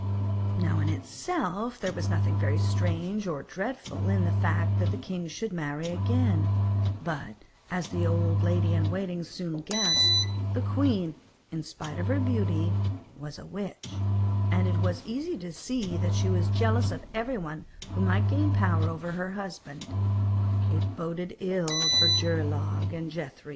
Now, in itself, there was nothing very strange or dreadful in the fact that the king should marry again, but, as the old lady in waiting soon guessed, the queen, in spite of her beauty, was a witch, and as it was easy to see that she was jealous of everyone who might gain power over her husband, it boded ill for Geirlaug and Grethari.